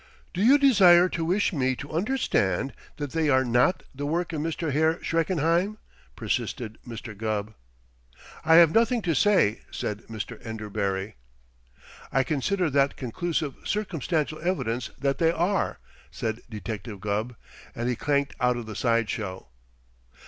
"Do you desire to wish me to understand that they are not the work of Mr. Herr Schreckenheim?" persisted Mr. Gubb. "I have nothing to say!" said Mr. Enderbury. "I consider that conclusive circumstantial evidence that they are," said Detective Gubb, and he clanked out of the side show.